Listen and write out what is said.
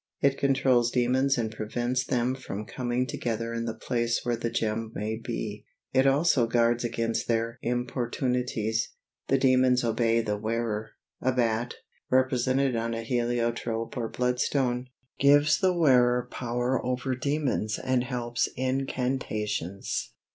It controls demons and prevents them from coming together in the place where the gem may be; it also guards against their importunities. The demons obey the wearer. A bat, represented on a heliotrope or bloodstone, gives the wearer power over demons and helps incantations.